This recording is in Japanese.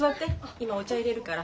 今お茶いれるから。